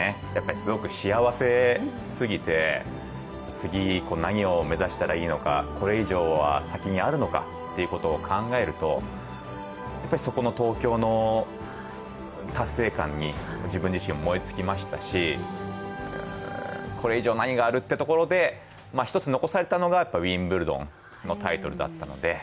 すごく幸せすぎて次何を目指したらいいのかこれ以上は先にあるのかということを考えると、やっぱりそこの、東京の達成感に自分自身も燃え尽きましたしこれ以上何があるというところで１つ残されたのが、ウィンブルドンのタイトルだったので。